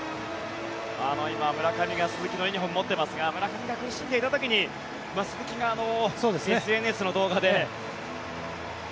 今、村上が鈴木のユニホームを持っていますが村上が苦しんでいた時に鈴木がＳＮＳの動画で。